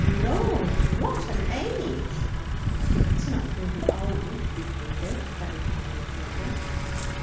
'Laws! what an age!' 'It's not really old,' he pleaded, very humbly for him.